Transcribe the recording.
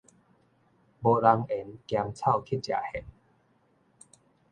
無人緣兼臭乞食羶